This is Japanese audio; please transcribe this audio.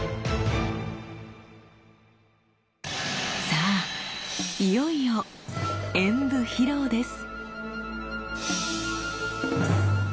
さあいよいよ演舞披露です。